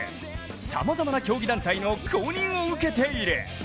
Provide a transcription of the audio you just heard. さまざまな競技団体の公認を受けている。